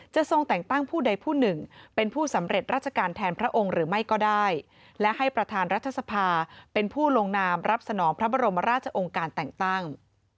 ทรงแต่งตั้งผู้ใดผู้หนึ่งเป็นผู้สำเร็จราชการแทนพระองค์หรือไม่ก็ได้และให้ประธานรัฐสภาเป็นผู้ลงนามรับสนองพระบรมราชองค์การแต่งตั้ง